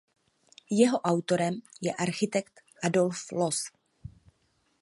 Jeho autorem je architekt Adolf Loos.